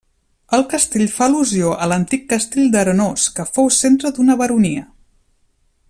El castell fa al·lusió a l'antic castell d'Arenós, que fou centre d'una baronia.